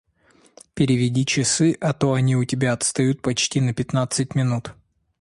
Переведи часы, а то они у тебя отстают почти на пятнадцать минут.